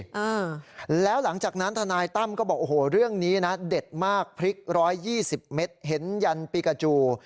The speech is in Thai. อ่าแล้วหลังจากนั้นทนายตั้มก็บอกโอ้โหเรื่องนี้นะเด็ดมากพริกร้อยยี่สิบเมตรเห็นยันปีกาจู